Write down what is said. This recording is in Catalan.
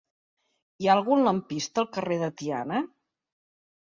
Hi ha algun lampista al carrer de Tiana?